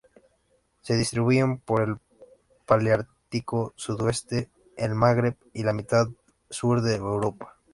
Se distribuyen por el paleártico sudoeste: el Magreb y la mitad sur de Europa.